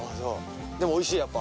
でもおいしい？